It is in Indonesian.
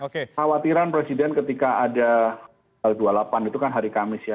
khawatiran presiden ketika ada dua puluh delapan itu kan hari kamis ya